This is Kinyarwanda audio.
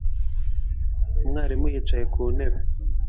Umwarimu yicaye ku ntebe